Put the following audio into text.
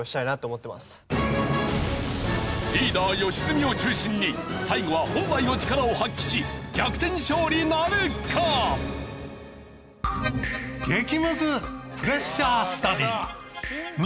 リーダー良純を中心に最後は本来の力を発揮し逆転勝利なるか！？を答えよ。